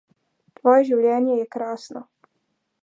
Tvoje življenje je krasno.